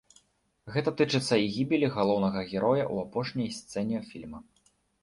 Гэта тычыцца і гібелі галоўнага героя ў апошняй сцэне фільма.